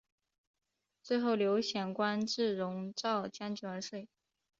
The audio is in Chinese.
最后刘显官至戎昭将军而卒。